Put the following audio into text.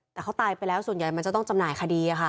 แต่เขาตายไปแล้วส่วนใหญ่มันจะต้องจำหน่ายคดีค่ะ